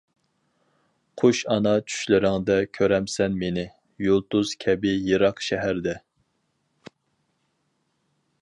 قۇش ئانا چۈشلىرىڭدە كۆرەمسەن مېنى، يۇلتۇز كەبى يىراق شەھەردە.